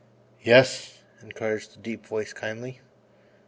"Yes," encouraged the deep voice kindly.